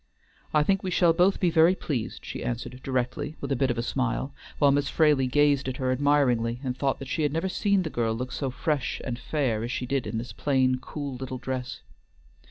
"I think we shall both be very pleased," she answered directly, with a bit of a smile; while Miss Fraley gazed at her admiringly, and thought she had never seen the girl look so fresh and fair as she did in this plain, cool little dress.